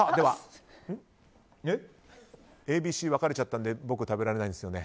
ＡＢＣ分かれちゃったので僕は食べられないんですよね